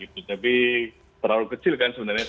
tapi terlalu kecil kan sebenarnya seribu enam ratus dua puluh